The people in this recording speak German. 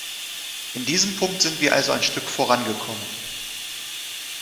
In diesem Punkt sind wir also ein Stück vorangekommen.